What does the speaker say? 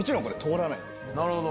なるほど。